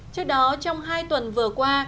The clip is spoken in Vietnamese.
trước đó trong hai tuần vừa qua